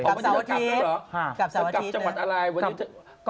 กับเด็กจังหวัดอะไร